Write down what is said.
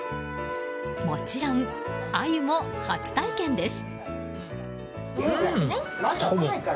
もちろん、アユも初体験です。